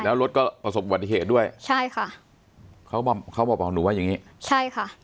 แล้วรถก็ประสบอุบัติเหตุด้วยใช่ค่ะเขาบอกเขาบอกหนูว่าอย่างงี้ใช่ค่ะ